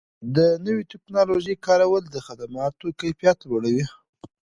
د نوې ټکنالوژۍ کارول د خدماتو کیفیت لوړوي.